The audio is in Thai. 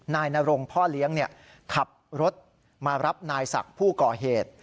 นายนรงพ่อเลี้ยงขับรถมารับนายศักดิ์ผู้ก่อเหตุ